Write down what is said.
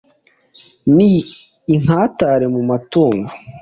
ni inkatare mu matungo,